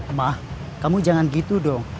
emak kamu jangan gitu dong